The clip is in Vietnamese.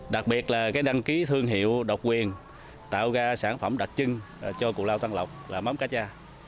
đặc biệt là đăng ký thương hiệu độc quyền tạo ra sản phẩm đặc trưng cho cù lao tân lộc là mắm cá cha